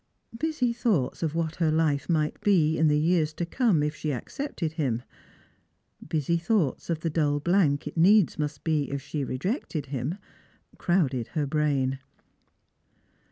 Busy thoughts of what her life might be in the years to come if she accepted him— busy thoughts of the dull blank it needa must be if she rejected him — crowded her brain.